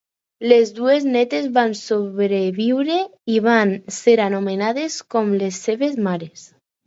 Les dues nétes van sobreviure i van ser anomenades com les seves mares.